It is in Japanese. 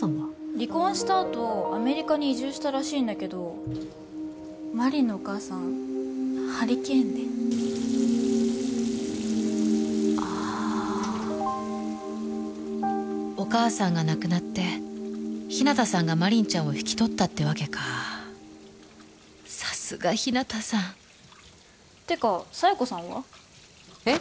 離婚したあとアメリカに移住したらしいんだけど真凛のお母さんハリケーンでああお母さんが亡くなって日向さんが真凛ちゃんを引き取ったってわけかさすが日向さんてか佐弥子さんは？えっ？